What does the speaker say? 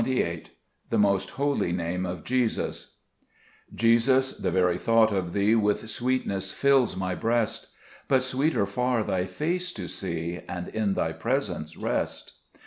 28 ^be flDost 1bolp IRame of Jesus* JESUS, the very thought of Thee With sweetness fills my breast ; But sweeter far Thy face to see, And in Thy presence rest.